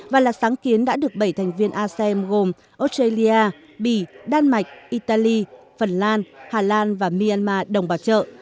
và là sáng kiến đã được bảy thành viên asem gồm australia bỉ đan mạch italy phần lan hà lan và myanmar đồng bảo trợ